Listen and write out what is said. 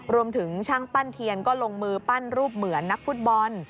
รวมถึงช่างปั้นเทียนก็ลงมือปั้นรูปเหมือนนักฟุตบอล